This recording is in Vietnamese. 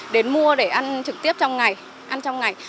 đến mua để ăn trực tiếp trong ngày ăn trong ngày